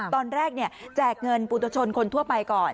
ตอนแรกแจกเงินปุตตชนคนทั่วไปก่อน